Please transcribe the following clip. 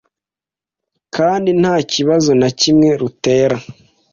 kandi nta kibazo na kimwe rutera,